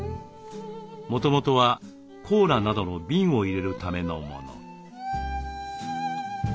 もともとはコーラなどの瓶を入れるためのもの。